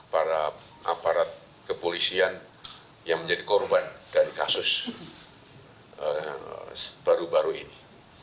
para aparat kepolisian yang menjadi korban dari kasus baru baru ini